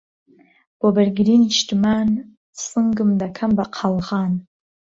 بۆ بەرگریی نیشتمان، سنگم دەکەم بە قەڵغان